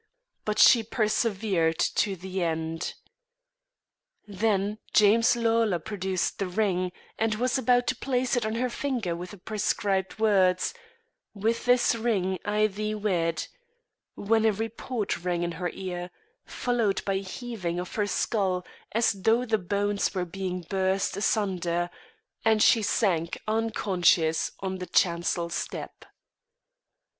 But she persevered to the end. Then James Lawlor produced the ring, and was about to place it on her finger with the prescribed words: "With this ring I thee wed " when a report rang in her ear, followed by a heaving of her skull, as though the bones were being burst asunder, and she sank unconscious on the chancel step.